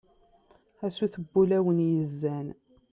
a sut n wulawen yezzan